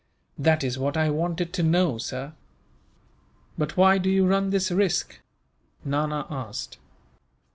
"That is what I wanted to know, sir." "But why do you run this risk?" Nana asked.